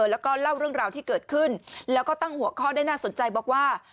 แล้วก็เล่าเรื่องราวที่เกิดขึ้นแล้วก็ตั้งหัวข้อได้น่าสนใจบอกว่า